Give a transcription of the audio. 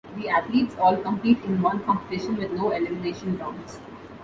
The athletes all compete in one competition with no elimination rounds.